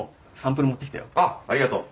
あっありがとう。